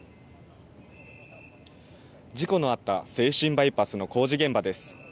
事故のあった静清バイパスの工事現場です。